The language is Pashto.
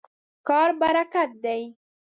کار برکت دی.